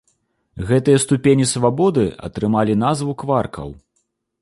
Гэтыя ступені свабоды атрымалі назву кваркаў.